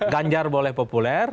ganjar boleh populer